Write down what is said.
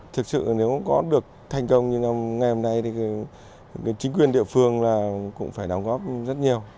thực sự nếu có được thành công như ngày hôm nay thì chính quyền địa phương là cũng phải đóng góp rất nhiều